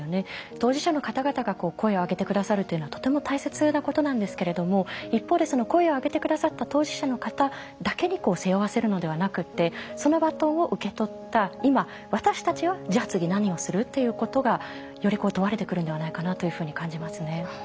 当事者の方々が声を上げて下さるっていうのはとても大切なことなんですけれども一方でその声を上げて下さった当事者の方だけに背負わせるのではなくてそのバトンを受け取った今私たちはじゃあ次何をするっていうことがより問われてくるんではないかなというふうに感じますね。